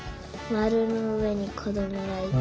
まるのうえにこどもがいて。